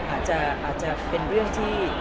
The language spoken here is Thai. อาจจะเป็นเรื่องที่